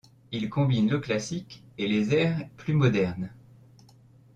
Il combine le classique et les airs plus modernes.